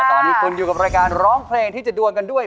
ตอนนี้คุณอยู่กับรายการร้องเพลงที่จะดวงกันด้วย